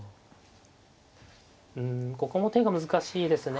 うんここも手が難しいですね。